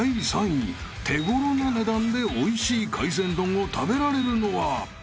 ［手頃な値段でおいしい海鮮丼を食べられるのは？］